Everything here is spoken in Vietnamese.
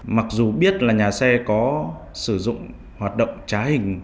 mặc dù biết là nhà xe có sử dụng hoạt động trá hình